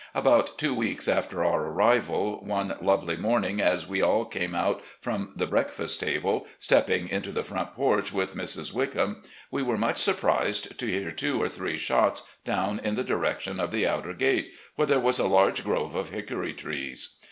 About two weeks after our arrival, one lovely morning as we all came out from the breakfast table, stepping into the front porch with Mrs. Wickham, we were much surprised to hear two or three shots down in the direction of the outer gate, where there was a large grove of hickory trees.